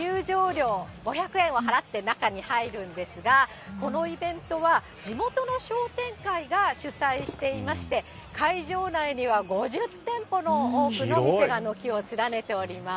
こちらでね、入場料５００円を払って中に入るんですが、このイベントは地元の商店会が主催していまして、会場内には５０店舗の、多くの店が軒を連ねております。